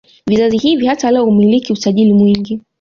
Vizazi hivi hata leo humiliki utajiri mwingi